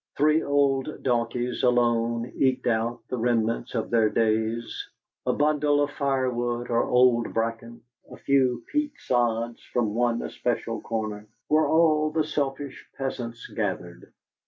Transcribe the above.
Three old donkeys alone eked out the remnants of their days. A bundle of firewood or old bracken, a few peat sods from one especial corner, were all the selfish peasants gathered.